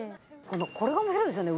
これが面白いですよね